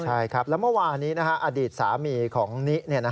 ใช่ครับแล้วเมื่อวานี้อดีตสามีของนิ